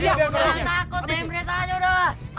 jangan takut demre saja udah